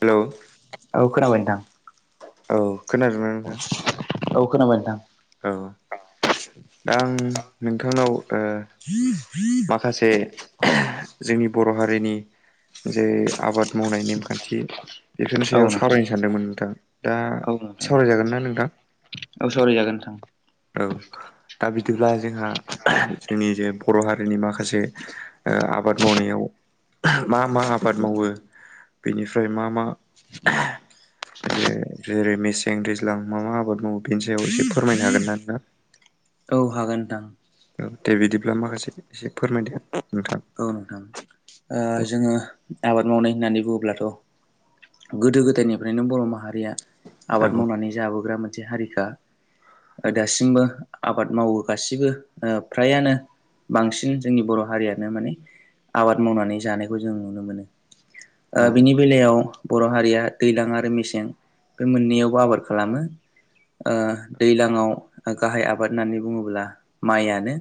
Hello औ खोनाबाय नोंथां औ खोनादोंना नोंथां औ खोनाबाय नोंथां। औ दा आं नोंथांनाव ओ [inaudible] माखासे जोंनि बर' हारिनि जे आबाद मावनाय नेमखान्थि बेफोरनि औ सायाव नोंथां सावरायनो सानदोंमोन नोंथां दा औ नोंथां सावरायजागोन ना नोंथां? औ सावरायजागोन नोंथां। औ दा बिदिब्ला जोंहा जोंनि जे बर' हारिनि माखा माखासे ओ आबाद मावनायाव मा मा आबाद मावो बेनिफ्राय मा मा जे जेरै मेसें दैज्लां मा मा आबाद मावो बेनि सायाव एसे फोरमायनो हागोन ना? [inaudible] औ हागोन नोंथां। औ दे बिदिब्ला माखासे एसे फोरमायदो नोंथां। औ नोंथां ओ जोङो आबाद मावनाय होननानै बुङोब्लाथ' गोदो गोदायनिफ्रायनो बर' माहारिया औ आबाद मावनानै जाबोग्रा मोनसे हारिखा ओ औ दासिमबो आबाद मावो गासिबो ओ फ्रायानो बांसिन जोंनि बर' हारियानो माने आबाद मावनानै जानायखौ जों नुनो मोनो ओ औ बिनि बेलायाव बर' हारिया दैज्लां आरो मेसें बे मोननैयावबो आबाद खालामो। ओ दैलाङाव गाहाय आबाद होननानै बुङोब्ला माइयानो।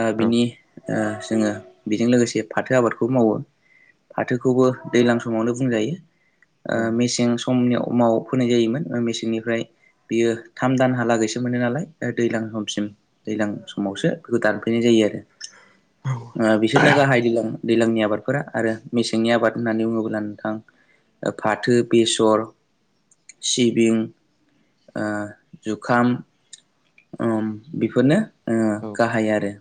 ओ औ बिनि ओ जोङो बेजों लोगोसे फाथो आबादखौ मावो। फाथोखौबो दैज्लां समावनो बुंजायो। ओ औ मेसें समनियाव फोनाय जायोमोन मेसेंनिफ्राय बियो थाम दानहालागैसो मोनो नालाय दैज्लां समसिम दैज्लां समावसो बेखौ दानफैनाय जायो आरो ओ बिसोरनो गाहाय दैलां दैलांनि आबादफोरा आरो मेसेंनि आबाद होननानै बुङोब्ला नोंथां ओ फाथो बेसर सिबिं ओ जुखाम। ओम बेफोरनो ओ औ गाहाय आरो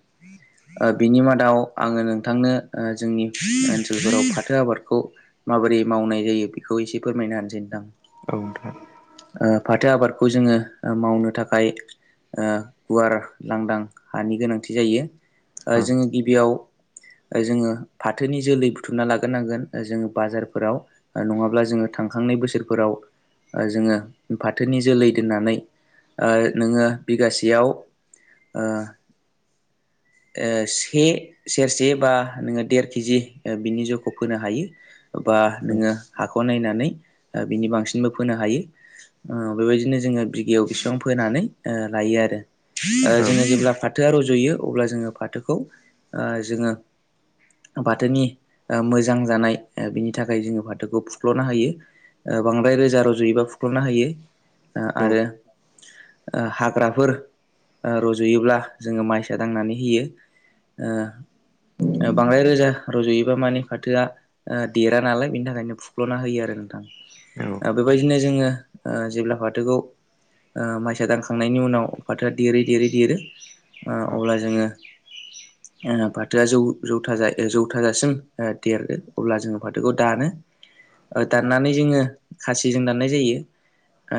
ओ बिनि मादाव आङो नोंथांनो ओ जोंनि ओनसोलफोराव फाथो आबादखौ माबोरै मावनाय जायो बेखौ एसे फोरमायना होनिसै नोंथां। औ नोंथां ओ फाथो आबादखौ जोङो मावनो थाखाय ओ गुवार लांदां हानि गोनांथि जायो। औ ओ जोङो गिबियाव जोङो फाथोनि जोलै बुथुमना लाग्रोनांगोन जोङो बाजारफोराव नङाब्ला जोङो थांखांनाय बोसोरफोराव जोङो फाथोनि जोलै दोननानै नोङो बिगासेयाव ओ से सेरसे बा नोङो देर केजि बिनि जौखौ फोनो हायो। बा औ नोङो हाखौ नायनानै बिनि बांसिनबो फोनो हायो। बेबायदिनो जोङो बिगायाव बेसिबां फोनानै लायो आरो। औ जोङो जेब्ला फाथोआ रज'यो अब्ला जोङो फाथोखौ जोङो बाथोनि मोजां जानाय बिनि थाखाय जोङो बाथोखौ फुख्ल'नो हायो। बांद्राय रोजा रुजुयोबा फुख्लबनो हायो औ आरो हाग्राफोर रज'योब्ला जोङो माइसा दांनानै होयो। बांद्राय रोजा रज'योबा मानि फाथोआ। देरा नालाय बेनि थाखायनो फुख्ल'ना होयो आरो नोंथां बेबायदि बिदिनो जोङो जेब्ला फाथोखौ माइसा दानखांनायनि उनाव फाथोआ देरै देरै देरो अब्ला जोङो [inaudible] फाथोआ जौ जौथ जौथाजासिम देरदो अब्ला जोङो फाथोखौ दानो। दाननानै जोङो खासिजों दाननाय जायो।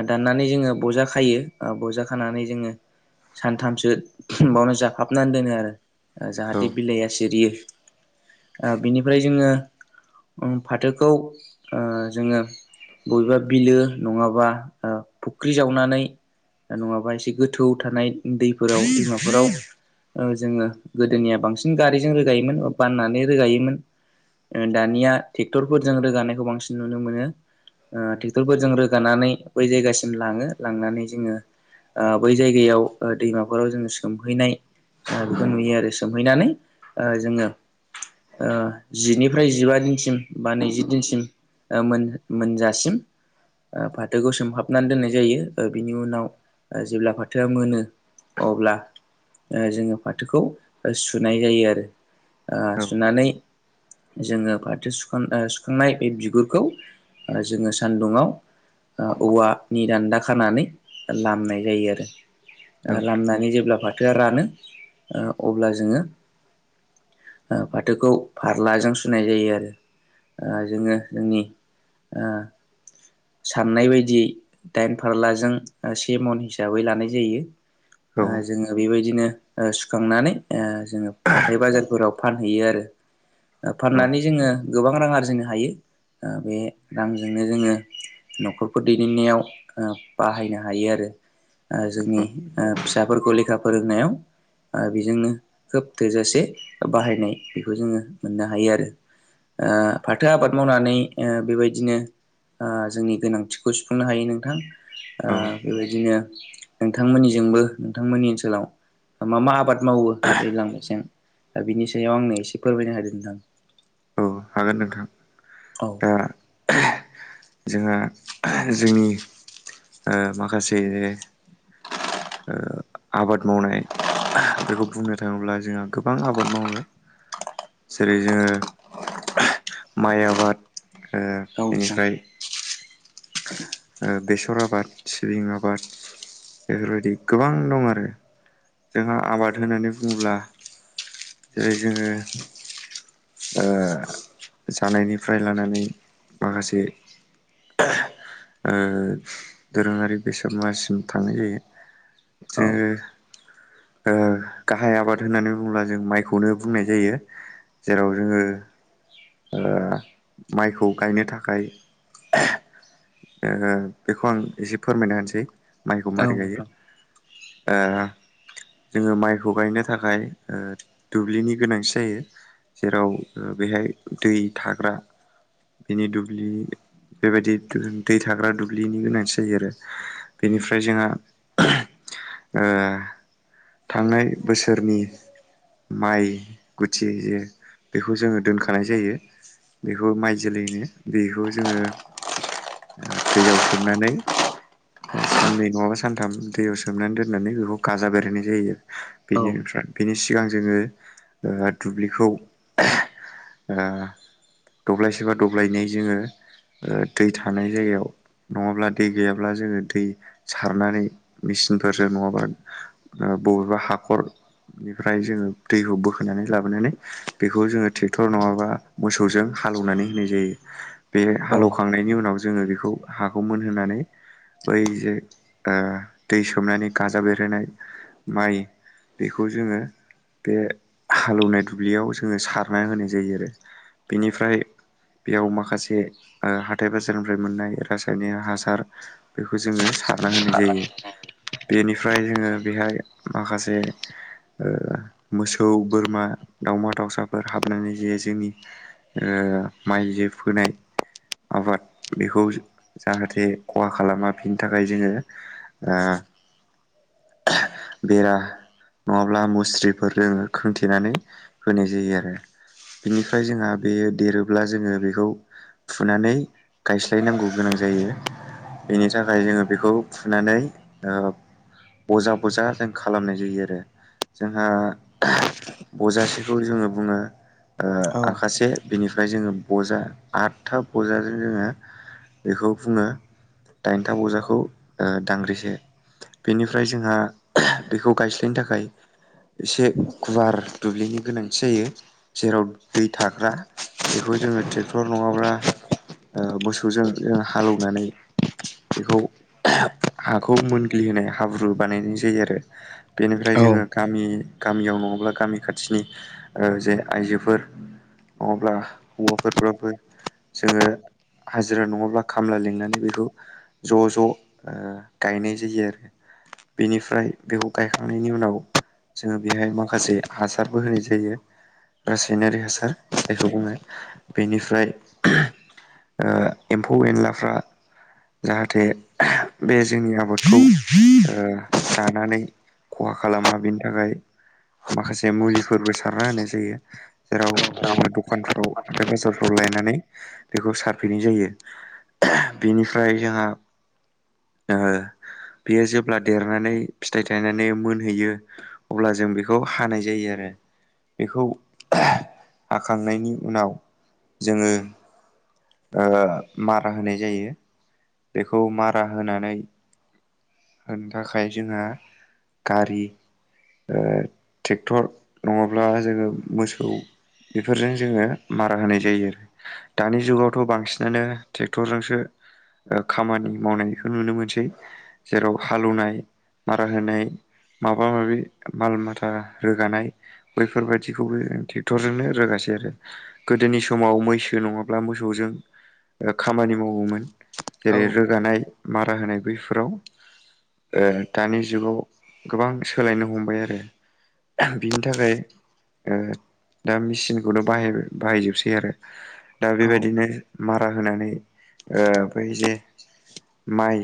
दाननानै जोङो बजा खायो बजा खानानै जोङो सानथामसो बेावनो जाफाबनानै दोनो आरो। जाहाथे बिलाइया सिरियो बिनिफ्राय जोङो फाथोखौ जोङो बबेबा बिलो नङाबा फुख्रि जावनानै नङाबा एसे गोथौ थानाय दैफोराव बिमाफोराव जोङो गोदोनिया बांसिन गारिजों रोगायोमोन बाननानै रोगायोमोन दानिया ट्रेक्टर फोर जजों रोगानायखौ बांसिन नुनो मोनो ट्रेक्टरफोरजों रोगानानै बै जायगासिम लाङो लांनानै जोङो ओ बै जायगायाव दैमाफोराव जोङो सोमहैनाय नुयो आरो सोमहैनानै जोङो जिनिफ्राय जिबा दिनसिम बा नैजि दिनसिम मोनजासिम फाथोखौ सोमहाबनानै दोननाय जायो। बिनि उनाव जेब्ला फाथोआ मोनो अब्ला जोङो फाथोखौ सुनाय जायो आरो सुनानै जोङो फाथो सुखां सुखांनाय बे बिगुरखौ जोङो सान्दुङाव औवानि दान्दा खानानै लामनाय जायो आरो। लामनानै जेब्ला फाथोआ रानो अब्ला जोङो फाथोखौ फारलाजों सुनाय जायो आरो जोङो जोंनि ओ साननाय बायदियै दाइन फारलाजों से मन हिसाबै लानाय जायो। औ जोङो बेबायदिनो सुखांनानै जोङो फाथथाय बाजारफोराव फानहैयो आरो। औ फाननानै जोङो गोबां रां आरजिनो हायो बे रांजोंनो जोङो न'खरफोर दैदेननायाव बाहायनो हायो आरो। जोंनि फिसाफोरखौ लेखा फोरोंनायाव बेजोंनो खोब थोजासे बाहायनाय बेखौ जोङो मोननो हायो आरो। फाथो आबाद मावनानै बेबायदिनो जोंनि गोनांथिखौ सुफुंनो हायो नोंथां औ बेबायदिनो नोंथांमोननिजोंबो नोंथांमोननि ओनसोलाव मा मा आबाद मावो दैलां मेसें ओ बिनि सायाव आंनो एसे फोरमायनो होदो नोंथां औ हागोन नोंथां ओ होदो जोंहा जोंनि ओ माखासे ओ आबाद मावनाय बेखौ बुंनो थाङोब्ला जोंहा गोबां आबाद मावो। जेरै जोङो माइ आबाद ओ नोंथां बेनिफ्राय ओ बेसर आबाद सिबिं आबाद बेफोरबायदि गोबां दं आरो जोंहा आबाद होननानै बुङोब्ला जेरै जोङो ओ जानायनिफ्राय लानानै माखासे ओ दोरोङारि बेसाद मासिम थांनाय जायो। औ नोंथां औ जोङो ओ गाहाय आबाद होननानै बुङोब्ला जों माइखौनो बुंनाय जायो। जेराव जोङो ओ माइखौ गायनो थाखाय ओहो बेखौ आं एसे फोरमायना होनोसै माइखौ औ मारै गायो नोंथां ओ जोङो माइखौ गायनो थाखाय ओ दुब्लिनि गोनांथि जायो। जेराव ओ बेहाय दै थाग्रा बेनि दुब्लि बेबायदि थो दै थाग्रा दुब्लिनि गोनांथि जायो आरो बेनिफ्राय जोंहा ओ थांनाय बोसोरनि माइ गुथि जे बेखौ जोङो दोनखानाय जायो बेखौ माइ जोलैनो बेखौ जोङो ओ दैयाव सोमनानै ओ साननै नङाबा सानथाम दैयाव सोमनानै दोननानै बेखौ गाजा बेरहोनाय जायो। औ बेनिफ्राय बेनि सिगां जोङो ओ दुब्लिखौ ओ दब्लायसे बा दब्लायनै जोङो ओ दै थानाय जायगायाव नङाब्ला दै गैयाब्ला जोङो दै सारनानै मेचिनफोरजों नङाबा ओ बबेबा हाखरनिफ्राय जोङो दैखौ बोखोनानै लाबोनानै बेखौ जोङो ट्रेक्टर नङाबा मोसौजों हालेवनानै होनाय जायो। बे हालौवखांनायनि उनाव जोङो बेखौ हाखौ मोनहोनानै बै जे ओ दै सोमनानै गाजा बेरहोनाय माइ बेखौ जोङो बे हालौवनाय दुब्लियाव जोङो सारना होनाय जायो आरो बेनिफ्राय बेयाव माखासे ओ हाथाय बाजारनिफ्राय मोननाय रासायनि हासार बेखौ जोङो सारना होनाय जायो। बेनिफ्राय जोङो बेहाय माखासे ओ मोसौ बोरमा दाउमा दावसाफोर हाबनानै जे जोंनि ओ माइ जो फोनाय आबाद बेखौ जाहाथे खहा खालामा बिनि थाखाय जोङो ओ बेरा नङाब्ला मुस्रिफोर जोङो खोंथेनानै होनाय जायो आरो बिनिफ्राय जोंहा बेयो देरोब्ला जोङो बेखौ फुनानै गायस्लायनांगौ गोनां जायो। बेनि थाखाय जोङो बेखौ फुनानै ओ बजा बजा जों खालामनाय जायो आरो जोंहा बजासे खौ जोङो बुङो ओ औ आखासे बिनिफ्राय जोङो बजा आठथा बजाजों जोङो बेखौ बुङो दाइनथा बजाखौ ओ दांग्रिसे बेनिफ्राय जोंहा बेखौ गायस्लायनो थाखाय एसे गुवार दुब्लिनि गोनांथि जायो जेराव दै थाग्रा बेखौ जोङो ट्रेक्टर नङाब्ला उह मोसौजों जों हालौनानै बेखौ हाखौ मोनग्लिहोनाय हाब्रु बानायनाय जायो आरो। बेनिफ्राय जोङो गामि गामियाव नङाब्ला गामि खाथिनि उह जे आइजोफोर नङाब्ला हौवाफोरफ्राबो जोङो हाजिरा नङाब्ला खामला लिंनानै बेखौ ज' ज' उह गायनाय जायो आरो। बेनिफ्राय बेखौ गायखांनायनि उनाव जोङो बेहाय माखासे हासार बोहोनाय जायो। रासायनारि हासार जायखौ बुङो बेनिफ्राय उह एम्फौ एनलाफ्रा जाहाथे बे जोंनि आबादखौ उह जानानै खहा खालामा बिनि थाखाय माखासे मुलि फोरबो सारना होनाय जायो। जेराव जोङो दखानफ्राव हाथाय बाजारफ्राव लायनानै बेखौ सारफैनाय जायो। बिनिफ्राय जोंहा ओ बियो जेब्ला देरनानै फिथाइ थायनानै मोनहैयो अब्ला जों बेखौ हानाय जायो आरो। बेखौ हाखांनायनि उनाव जोङो उह मारा होनाय जायो बेखौ मारा होनानै होनो थाखाय जोंहा गारि उह ट्रेक्टर नङाब्ला जोङो मोसौ बेफोरजों जोङो मारा होनाय जायो आरो। दानि जुगावथ' बांसिनानो ट्रेक्टरजोंसो ओ खामानि मावनायखौ नुनो मोनसै जेराव हालेवनाय मारा होनाय माबा माबि माल माथा रोगानाय। बैफोरबायदिखौबो ट्रेक्टरजोंनो रोगासै आरो। गोदोनि समाव मैसो नङाब्ला मोसौजों खामानि मावोमोन। जेरै रोगानाय मारा होनाय बैफोराव उह दानि जुगाव गोबां सोलायनो हमबाय आरो। बिनि थाखाय उह दा मिसिनखौथ बाहायबाय- बाहायजोबसै आरो। दा औ बेबायदिनो मारा होनानै बै जे माइ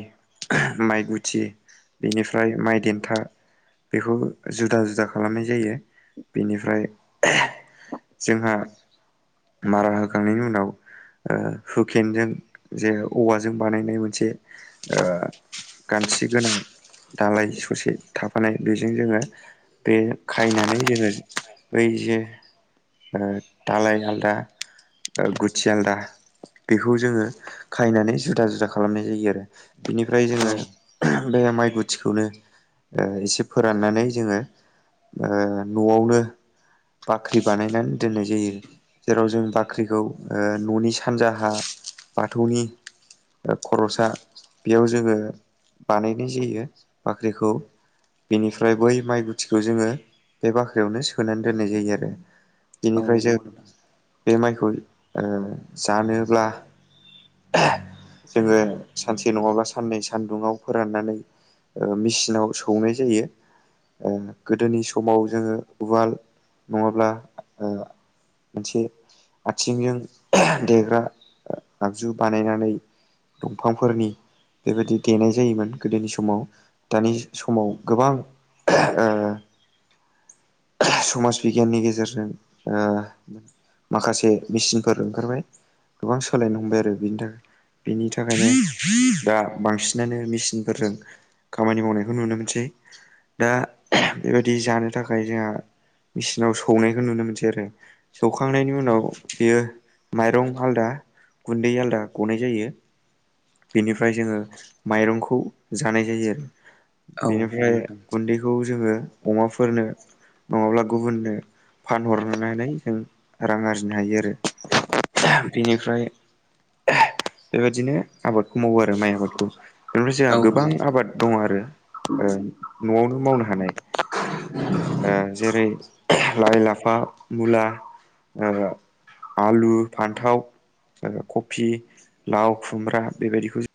माइ गुथि बेनिफ्राय माइ देन्था बेखौ जुदा जुदा खालामनाय जायो बेनिफ्राय जोंहा मारा होखांनायनि उनाव ओ हुकेनजों जे औवाजों बानायनाय मोन से ओ गान्थि गोनां दालाय ससे थाफानाय बेजों जोङो बे खायनानै जोङो बै जे ओ दालाय आलदा ओ गुथि आलदा बेखौ जोङो खायनानै जुदा जुदा खालामनाय जायो आरो। बिनिफ्राय जोङो औ बे माइ गुथिखौनो उह एसे फोराननानै जोङो उह न'आवनो बाख्रि बानायनानै दोननाय जायो। जेराव जों बाख्रिखौ ओ न'नि सानजाहा बाथौनि उह खर'सा बेयाव जोङो बानायनाय जायो बाख्रिखौ। बिनिफ्राय बै माइ गुथिखौ जोङो बे बाख्रियावनो सोनानै दोननाय जायो आरो बिनिफ्राय जों नंगौ नोंथां बे माइखौ ओ जानोब्ला [unintelligible] जोङो सानसे नङाब्ला साननै सानदुङाव फोराननानै ओ मिचिनाव सौनाय जायो ओह गोदोनि स समाव जोङो उवाल नङाब्ला ओ मोनसे आथिंजों देग्रा आगजु बानायनानै दंफांफोरनि बेबायदि देनाय जायोमोन गोदोनि समाव दानि समाव गोबां ओ समाज बिगियाननि गेजेरजों ओ माखासे मेचिनफोर ओंखारबाय गोबां सोलायनो हमबाय आरो बिनि थाखाय बिनि थाखायनो दा बांसिनानो मिसिन सिनफोरजों खामानि मावनायखौ नुनो मोनसै दा बेबाय दि जानो थाखाय जोंहा मेचिनाव सौनायखौ नुनो मोनसै आरो सौखांनायनि उनाव बेयो माइरं आलदा गुन्दै आलदा गनाय जायो। बिनिफ्राय जोङो माइरंखौ जानाय जायो औ नंगौ बेनिफ्राय नोंथां गुन्दैखौ जोङो अमाफोरनो नङाब्ला गुबुननो फानहरनानै जों रां आरजिनो हायो आरो बेनिफ्राय बेबायदिनो आबादखौ मावो आरो माइ आबादखौ बेनिफ्राय जोंहा औ गोबां नंगौ नोंथां आबाद दङ आरो ओ न'आवनो मावनो हानाय। ओ जेरै लाइ लाफा मुला ओ आलु फान्थाव एबा कफि लाव खुमब्रा बेबायदिखौ